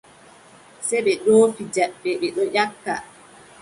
Sey ɓe ɗoofi jabbe, ɓe ɗon nyakka.